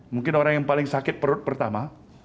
mungkin orang yang paling sakit perut pertama